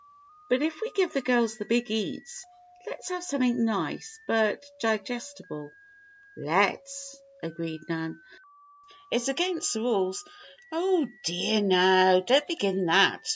But if we give the girls the big eats, let's have something nice, but digestible." "Let's!" agreed Nan. "Of course, it's against the rules " "Oh, dear, now! don't begin that," begged Bess.